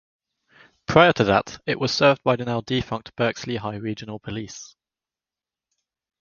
Prior to that, it was served by the now defunct Berks-Lehigh Regional Police.